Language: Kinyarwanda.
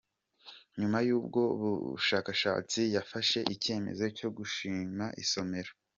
Nyuma y’ubwo bushakashatsi yafashe icyemezo cyo gushinga isomero.